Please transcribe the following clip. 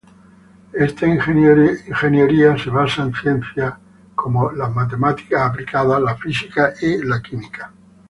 Esta ingeniería se basa en ciencias como las matemáticas aplicadas la física y química.